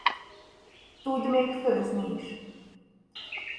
Tud még főzni is.